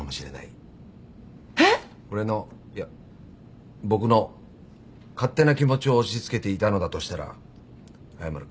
俺のいや僕の勝手な気持ちを押し付けていたのだとしたら謝る。